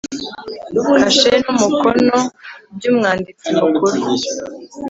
kashe n umukono by umwanditsi mukuru